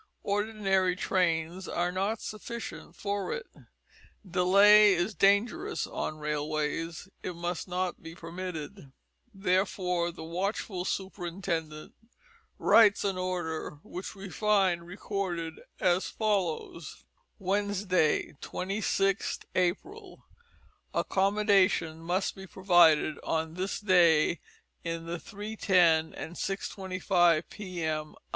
Ordinary trains are not sufficient for it. Delay is dangerous on railways; it must not be permitted; therefore the watchful superintendent writes an order which we find recorded as follows: "Wednesday, 26th April, Accommodation must be provided on this day in the 3:10 and 6:25 p.m.